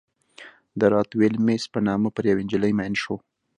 د رات ویلیمز په نامه پر یوې نجلۍ مین شو.